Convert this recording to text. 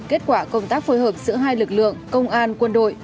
kết quả công tác phối hợp giữa hai lực lượng công an quân đội